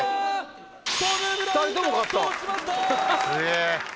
トム・ブラウンが圧倒しました